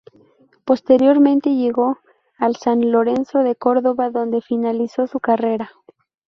Posteriormente llegó al San Lorenzo de Córdoba donde finalizó su carrera.